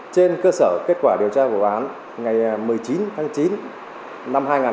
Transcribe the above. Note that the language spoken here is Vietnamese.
trên cơ sở kết quả điều tra vụ án ngày một mươi chín tháng chín năm hai nghìn một mươi chín